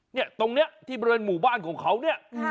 เนี่ยตรงเนี่ยที่เป็นหมู่บ้านของเขาเนี่ย